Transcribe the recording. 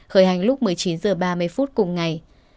khởi hành lúc một mươi chín h ba mươi phút cùng ngày